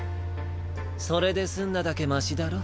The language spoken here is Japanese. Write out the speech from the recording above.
それで済んだだけましだろ。